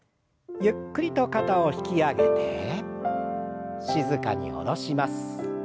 ゆっくりと肩を引き上げて静かに下ろします。